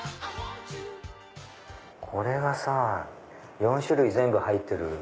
これが４種類全部入ってる。